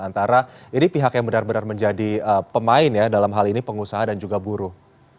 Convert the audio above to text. antara ini pihak yang benar benar menjadi pemain ya dalam hal ini pengusaha dan juga buruh